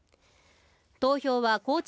投票は高知